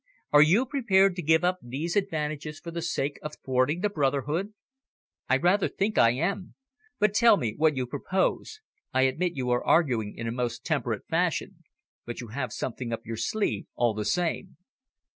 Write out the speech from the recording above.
Are you prepared to give up these advantages for the sake of thwarting the brotherhood?" "I rather think I am. But tell me what you propose. I admit you are arguing in a most temperate fashion. But you have something up your sleeve all the time."